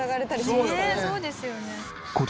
「そうですよね」